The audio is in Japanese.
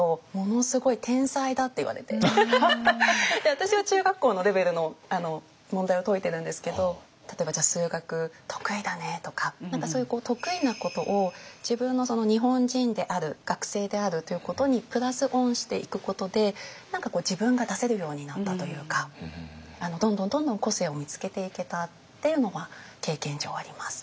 私は中学校のレベルの問題を解いてるんですけど例えばじゃあ数学得意だねとかそういう得意なことを自分の日本人である学生であるということにプラス・オンしていくことで何かこう自分が出せるようになったというかどんどんどんどん個性を見つけていけたっていうのは経験上あります。